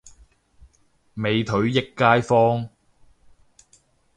美腿益街坊